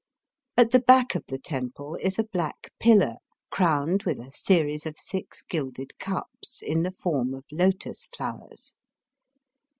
At the back of the temple is a black pillar crowned with a series of six gilded cups in the form of lotus flowers.